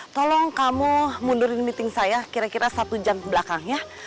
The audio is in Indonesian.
tolong kamu mundurin meeting saya kira kira satu jam kebelakang ya